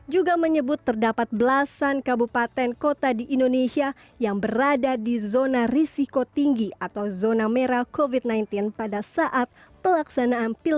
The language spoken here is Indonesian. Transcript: juga menyebut terdapat belas satuan